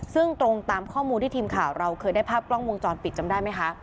ซึ่งตรงตามข้อมูลที่ทีมข่าวเราเคยได้ภาพกล้องวงจรปิดจำได้ไหมคะ